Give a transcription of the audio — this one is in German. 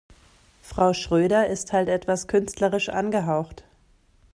Frau Schröder ist halt etwas künstlerisch angehaucht.